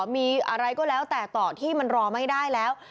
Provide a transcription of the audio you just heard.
มีอะไรก็แล้วแต่ต่อที่มันรอไม่ได้แล้ว